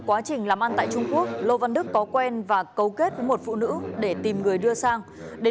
quá trình làm ăn tại trung quốc lô văn đức có quen và cấu kết với một phụ nữ để tìm người đưa sang để